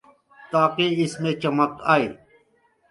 تاکہ اس میں چمک آئے۔